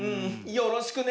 よろしくね。